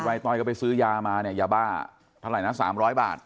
ต้อยก็ไปซื้อยามาเนี่ยยาบ้าเท่าไหร่นะ๓๐๐บาท